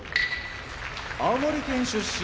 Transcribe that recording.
青森県出身